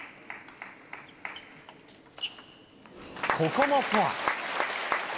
ここもフォア。